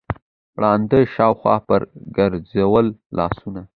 ړانده شاوخوا پر ګرځول لاسونه